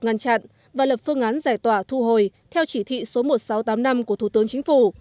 ngăn chặn và lập phương án giải tỏa thu hồi theo chỉ thị số một nghìn sáu trăm tám mươi năm của thủ tướng chính phủ